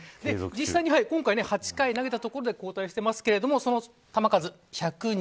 実際に今回８回投げたところで交代してますがその球数は１０２球。